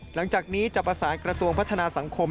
หลังจากนี้จะประสานกระทรวงพัฒนาสังคม